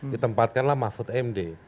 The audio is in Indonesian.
ditempatkanlah mahfud md